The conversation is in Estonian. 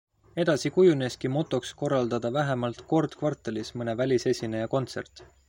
Edasi kujuneski motoks korraldada vähemalt kord kvartalis mõne välisesineja kontsert.